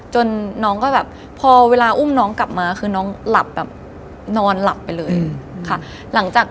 น้องก็แบบพอเวลาอุ้มน้องกลับมาคือน้องหลับแบบนอนหลับไปเลยค่ะหลังจาก